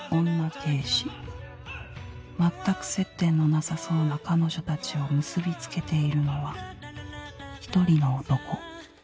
刑事全く接点のなさそうな彼女たちを結びつけているのは１人の男